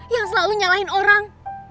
yang selalu nyalahin orang